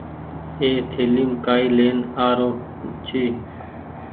اي ٿليم ڪآئي لين آرو ڇي۔